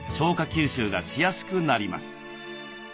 吸収がしやすくなります。